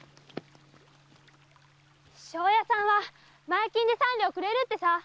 庄屋さんは前金で三両くれるってさ。